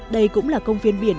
đây cũng là công viên biển